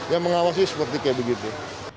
yang mengawasi seperti kayak begitu